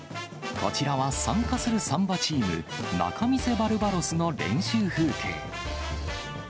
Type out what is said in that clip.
こちらは参加するサンバチーム、仲見世バルバロスの練習風景。